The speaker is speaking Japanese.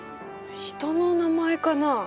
人の名前かな？